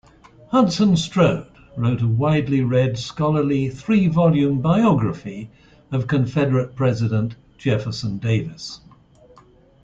Hudson Strode wrote a widely read scholarly three-volume biography of Confederate President Jefferson Davis.